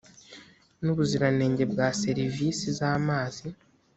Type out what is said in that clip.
n ubuziranenge bwa serivisi z amazi